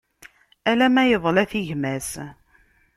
Ala ma yeḍla-t i gma-s.